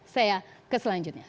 saya ke selanjutnya